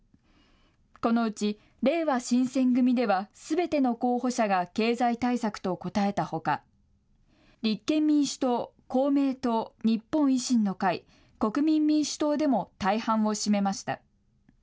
このうち、れいわ新選組では、すべての候補者が経済対策と答えたほか、立憲民主党、公明党、日本維新の会、国民民主党でも大半を占めました。